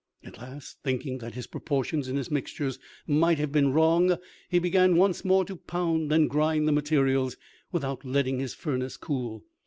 At last, thinking that his proportions in his mixtures might have been wrong, he began once more to pound and grind the materials without letting his furnace cool.